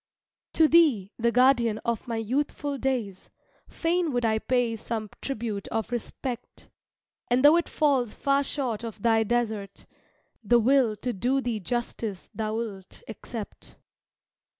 To thee, the guardian of my youthful days, Fain would I pay some tribute of respect; And though it falls far short of thy desert, The will to do thee justice thou'lt accept.